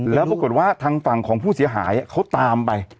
แล้วปรากฏว่าทางฝั่งของผู้เสียหายเขาตามไป